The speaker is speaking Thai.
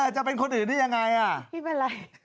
จะเป็นคนอื่นได้ยังไงอ่ะ